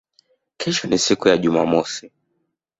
Kesho ni siku ya Jumamosi